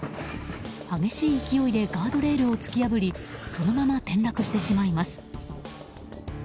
激しい勢いでガードレールを突き破りそのまま転落してしまいます。